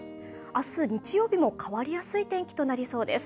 明日日曜日も変わりやすい天気となりそうです。